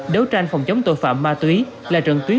đấu tranh phòng chống tội phạm ma túy là trận tuyến